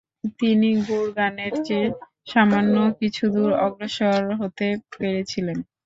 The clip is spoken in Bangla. তিনি গুরগানের চেয়ে সামান্য কিছুদূর অগ্রসর হতে পেরেছিলেন।